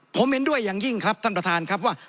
ผมเห็นด้วยอย่างยิ่งครับท่านประธานครับว่า